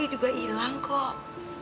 ibu juga hilang kok